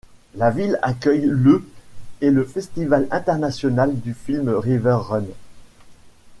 La ville accueille le et le Festival international du film RiverRun.